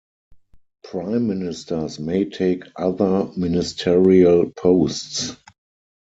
Prime ministers may take other ministerial posts.